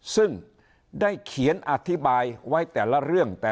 ซึ่งได้เขียนอธิบายไว้แต่ละเรื่อง